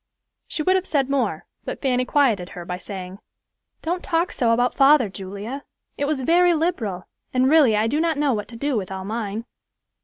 She would have said more, but Fanny quieted her by saying, "Don't talk so about father, Julia. It was very liberal, and really I do not know what to do with all mine."